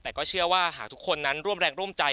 แต่ก็เชื่อว่าหากทุกคนนั้นร่วมแรงร่วมใจ